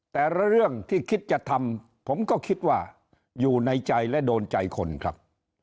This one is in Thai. แต่ละเรื่องที่คิดจะทำผมก็คิดว่าอยู่ในใจและโดนใจคนครับ